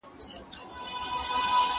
د مينتوب په نښو پوی ده